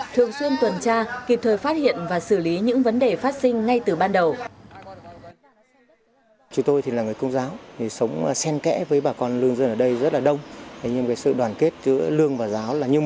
thường xuyên tuần tra kịp thời phát hiện và xử lý những vấn đề phát sinh ngay từ ban đầu